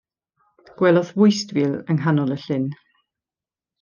Gwelodd fwystfil yn nghanol y llyn.